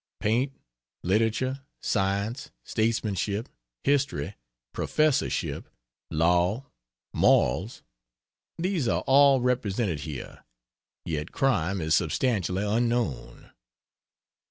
Paint, literature, science, statesmanship, history, professorship, law, morals, these are all represented here, yet crime is substantially unknown.